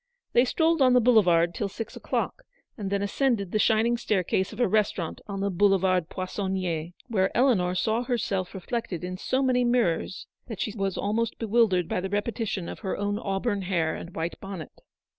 They strolled on the boulevard till six o'clock, and then ascended the shining staircase of a restaurant on the Boulevard Poissonnier, where Eleanor saw herself reflected in so many mirrors that she was almost bewildered by the repetition of her own auburn hair and white bonnet.